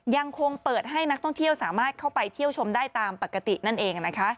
ยังคงเปิดให้นักท่องเที่ยวสามารถเข้าไปเที่ยวชมได้ตามปกตินั่นเองนะคะ